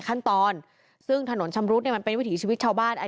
ขั้นตอนซึ่งถนนชำรุดเนี่ยมันเป็นวิถีชีวิตชาวบ้าน